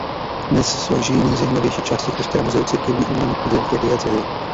Dnes slouží nejzajímavější části kláštera Muzeu církevního umění plzeňské diecéze.